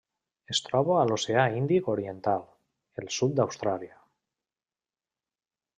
Es troba a l'Oceà Índic oriental: el sud d'Austràlia.